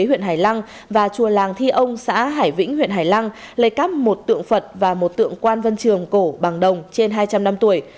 huyện hải lăng và chùa làng thi ông xã hải vĩnh huyện hải lăng lấy cắp một tượng phật và một tượng quan văn trường cổ bằng đồng trên hai trăm linh năm tuổi